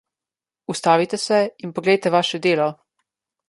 Ustavite se in poglejte vaše delo.